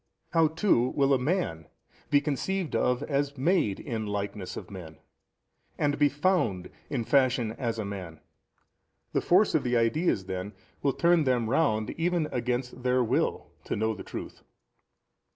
how too will a man be conceived of as made in likeness of men, and be found in fashion as a man? The force of the ideas then will turn them round even against their will to know the truth.